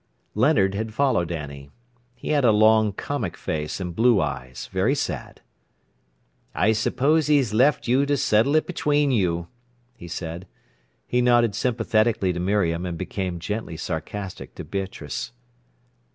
Leonard had followed Annie. He had a long comic face and blue eyes, very sad. "I suppose he's left you to settle it between you," he said. He nodded sympathetically to Miriam, and became gently sarcastic to Beatrice.